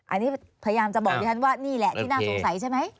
อันนี้พยายามจะบอกดิฉันว่านี่แหละที่น่าสงสัยใช่ไหม